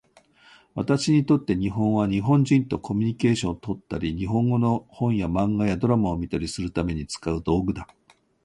私にとって日本語は、日本人とコミュニケーションをとったり、日本語の本や漫画やドラマを見たりするために使う道具だ。